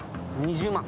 ２０万。